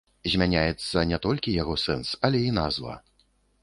Змяняецца не толькі яго сэнс, але і назва.